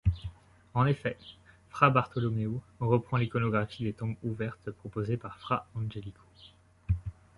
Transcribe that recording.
En effet, Fra Bartolomeo reprend l’iconographie des tombes ouvertes proposée par Fra Angelico.